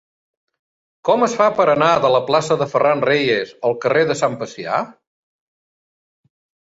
Com es fa per anar de la plaça de Ferran Reyes al carrer de Sant Pacià?